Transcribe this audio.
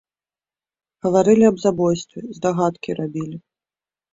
Гаварылі аб забойстве, здагадкі рабілі.